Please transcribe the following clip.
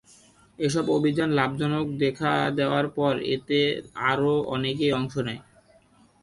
এসব অভিযান লাভজনক দেখা দেয়ার পর এতে আরো অনেকেই অংশ নেয়।